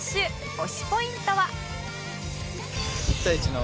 推しポイントは？